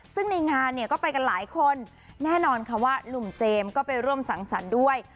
ซึ่งในงานเนี่ยก็ไปกันหลายคนแน่นอนค่ะว่าหนุ่มเจมส์ก็ไปร่วมสังสรรค์ด้วย